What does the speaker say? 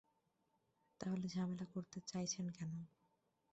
তাহলে ঝামেলা করতে চাইছেন কেন?